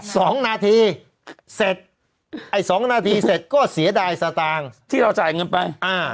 สองนาทีเสร็จไอ้สองนาทีเสร็จก็เสียดายสตางค์ที่เราจ่ายเงินไปอ่า